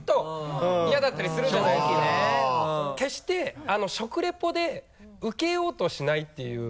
決して食リポでウケようとしないっていう。